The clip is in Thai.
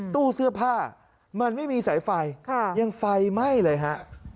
ตู้เสื้อผ้ามันไม่มีสายไฟยังไฟไหม้เลยฮะ